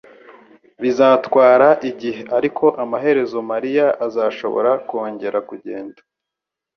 Bizatwara igihe ariko amaherezo mariya azashobora kongera kugenda